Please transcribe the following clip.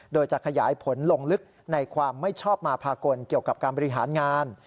โดยจะขยายผลลงลึกในความไม่ชอบมาพากลเกี่ยวกับการบริหารงาน